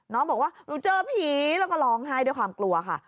น้องบอกว่าหนูเจอผีแล้วก็ร้องไห้ด้วยความกลัวค่ะ